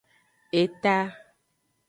Eta.